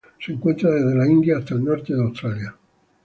Se encuentra desde la India hasta el norte de Australia.